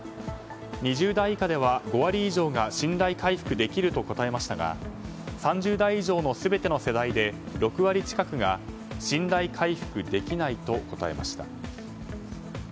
２０代以下では、５割以上が信頼回復できると答えましたが３０代以上の全ての世代で６割近くが信頼回復できないと答えました。